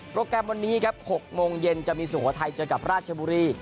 แกรมวันนี้ครับ๖โมงเย็นจะมีสุโขทัยเจอกับราชบุรี